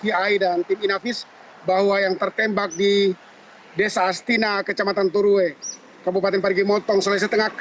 iai dan tim inavis bahwa yang tertembak di desa astina kecamatan turwe kabupaten parigimotong sulawesi tengah